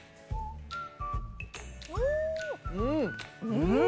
うん！